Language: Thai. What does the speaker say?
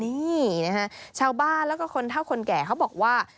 นี่นะฮะชาวบ้านแล้วก็คนเท่าคนแก่เขาบอกว่า